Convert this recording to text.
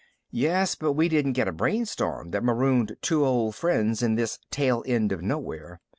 "Yes, but we didn't get a brainstorm that marooned two old friends in this tail end of nowhere.